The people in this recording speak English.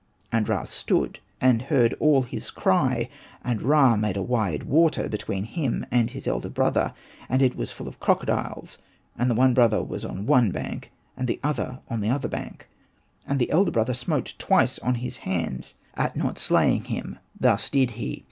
And Ra stood and heard all his cry ; and Ra made a wide water between him and his elder brother, and it was full of crocodiles ; and the one brother was on one bank, and the other on the other bank ; and the elder brother smote twice on his hands at not Hosted by Google 46 ANPU AND BATA slaying him. Thus did he.